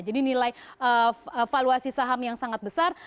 nilai valuasi saham yang sangat besar